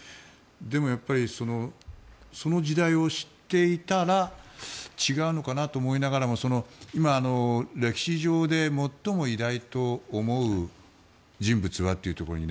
でも、その時代を知っていたら違うのかなと思いながらも今、歴史上で最も偉大と思う人物はというところで。